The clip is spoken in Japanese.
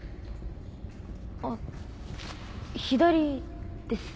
あっ左です。